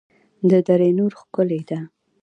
د دره نور ښکلې ده